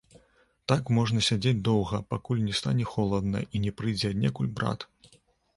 Так можна сядзець доўга, пакуль не стане холадна і не прыйдзе аднекуль брат.